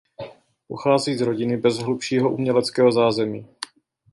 Pochází z rodiny bez hlubšího uměleckého zázemí.